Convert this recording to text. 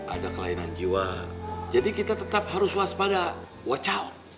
ada kelainan jiwa jadi kita tetap harus waspada wacau